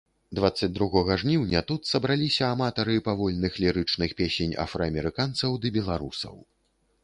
Дваццаць другога жніўня тут сабраліся аматары павольных лірычных песень афраамерыканцаў ды беларусаў.